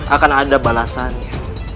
akan ada balasannya